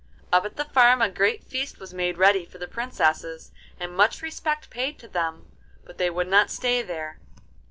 Up at the farm a great feast was made ready for the Princesses, and much respect paid to them, but they would not stay there.